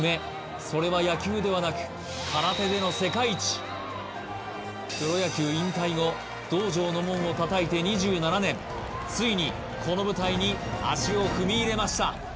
それは野球ではなく空手での世界一プロ野球引退後道場の門をたたいて２７年ついにこの舞台に足を踏み入れました